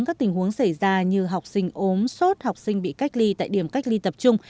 các tình huống xảy ra như học sinh ốm sốt học sinh bị cách ly tại điểm cách ly tập trung